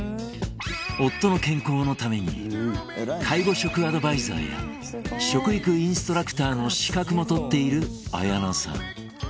夫の健康のために介護食アドバイザーや食育インストラクターの資格も取っている綾菜さん。